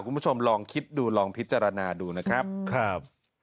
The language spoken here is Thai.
คุณผู้ชมลองคิดดูลองพิจารณาดูนะครับ